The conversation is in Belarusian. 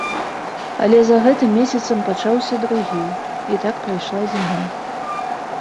Але за гэтым месяцам пачаўся другі, і так прайшла зіма.